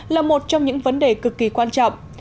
là một trong những vấn đề cực kỳ quan trọng